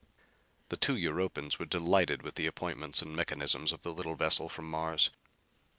The two Europans were delighted with the appointments and mechanisms of the little vessel from Mars.